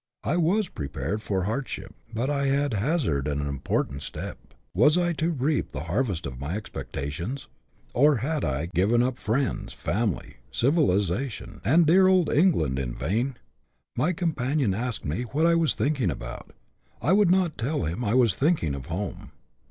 I was prepared for hard ship, but I had hazarded an important step ; was I to reap the harvest of my expectations ? or had I given up friends, family, civilization, and dear old England, in vain ? My companion asked me what I was thinking about ; I would not tell him I was thinking of home.